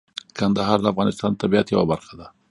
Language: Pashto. کندهار د افغانستان د طبیعت یوه برخه ده.